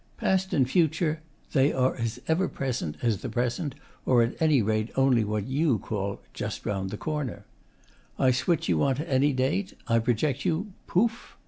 Past and future they are as ever present as the present, or at any rate only what you call "just round the corner." I switch you on to any date. I project you pouf!